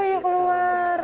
kambing atau domba